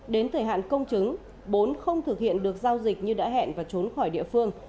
đến thời hạn công chứng bốn không thực hiện được giao dịch như đã hẹn và trốn khỏi địa phương